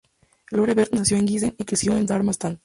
Lore Bert nació en Giessen y creció en Darmstadt.